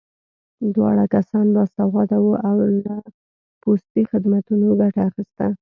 دواړه کسان باسواده وو او له پوستي خدمتونو ګټه اخیست